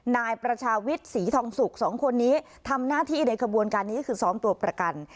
นายประชาวิทย์ศรีทองสุกสองคนนี้ทำหน้าที่ในขบวนการนี้คือซ้อมตัวประกัน